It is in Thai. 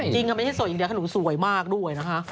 จริงไม่ได้โสดอย่างเดียวหนูสวยมากด้วยนะคะ